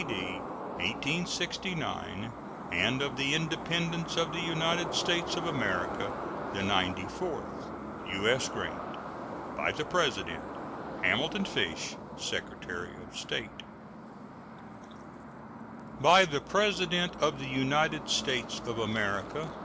D. 1869, and of the Independence of the United States of America the ninety fourth. U.S. GRANT. By the President: HAMILTON FISH, Secretary of State. BY THE PRESIDENT OF THE UNITED STATES OF AMERICA.